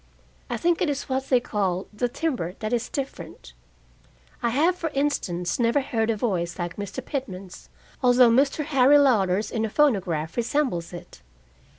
I think it is what they call the timbre that is different. I have, for instance, never heard a voice like Mr. Pitman's, although Mr. Harry Lauder's in a phonograph resembles it.